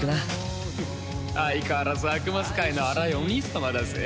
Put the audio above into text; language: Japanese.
フッ相変わらず悪魔使いの荒いお兄様だぜ。